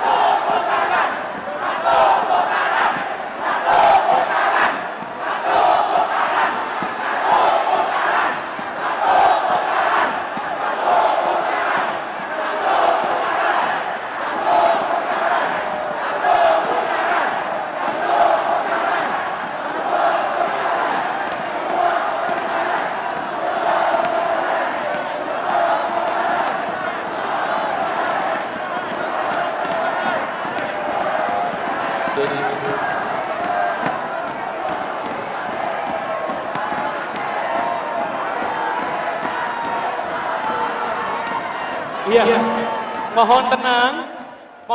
haimbih mwok poverty hai ya silakan untuk diambil foto